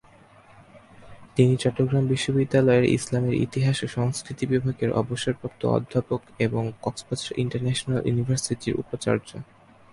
তিনি চট্টগ্রাম বিশ্ববিদ্যালয়ের ইসলামের ইতিহাস ও সংস্কৃতি বিভাগের অবসরপ্রাপ্ত অধ্যাপক এবং কক্সবাজার ইন্টারন্যাশনাল ইউনিভার্সিটির উপাচার্য।